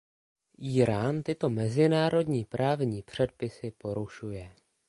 Írán tyto mezinárodní právní předpisy porušuje.